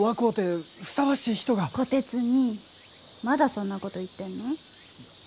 虎鉄にいまだそんなこと言ってんの？